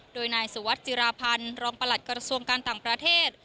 โดยนายสุวัสดิจิราพันธ์รองประหลัดกระทรวงการต่างประเทศ